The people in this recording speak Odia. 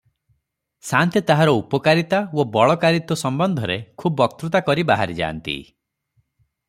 ସାଆନ୍ତେ ତାହାର ଉପକାରିତା ଓ ବଳକାରିତ୍ୱ ସମ୍ବନ୍ଧରେ ଖୁବ୍ ବକୃତା କରି ବାହାରିଯାନ୍ତି